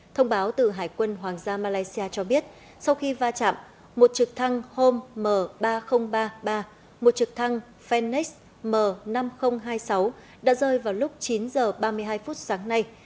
thông báo từ hải quân hoàng gia malaysia cho biết sau khi va chạm một trực thăng home m ba nghìn ba mươi ba một trực thăng fenex m năm nghìn hai mươi sáu đã rơi vào lúc chín h ba mươi hai phút sáng nay